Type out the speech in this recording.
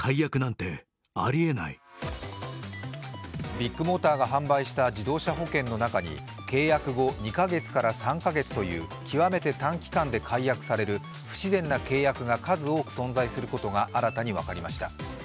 ビッグモーターが販売した自動車保険の中に契約後２か月から３か月という極めて短期間で解約される不自然な契約が数多く存在することが分かりました。